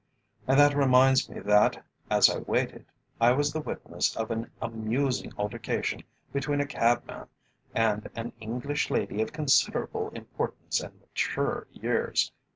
And that reminds me that, as I waited, I was the witness of an amusing altercation between a cabman and an English lady of considerable importance and mature years.